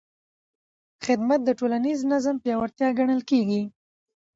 خدمت د ټولنیز نظم پیاوړتیا ګڼل کېږي.